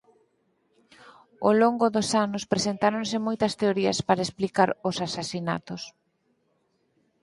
Ao longo dos anos presentáronse moitas teorías para explicar os asasinatos.